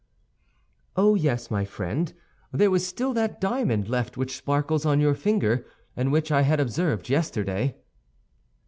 "Oh, yes, my friend; there was still that diamond left which sparkles on your finger, and which I had observed yesterday."